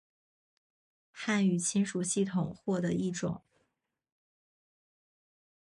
汉语亲属系统或的一种。